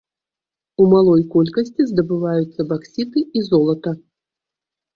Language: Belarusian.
У малой колькасці здабываюцца баксіты і золата.